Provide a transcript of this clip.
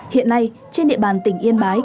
hiện nay trên địa bàn tỉnh yên bái